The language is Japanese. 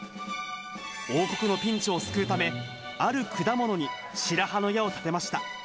王国のピンチを救うため、ある果物に白羽の矢を立てました。